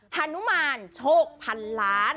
ฮานุมานโชคพันล้าน